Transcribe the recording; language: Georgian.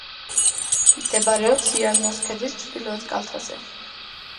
მდებარეობს იალნოს ქედის ჩრდილოეთ კალთაზე.